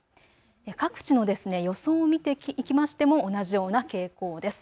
各地の予想を見ていきましても同じような傾向です。